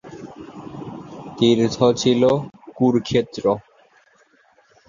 তীর্থ ছিল কুরুক্ষেত্র।